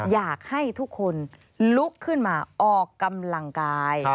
อยากให้ทุกคนลุกขึ้นมาออกกำลังกาย